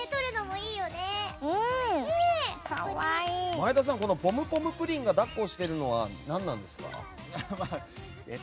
前田さん、ポムポムプリンが抱っこしてるのは何ですか？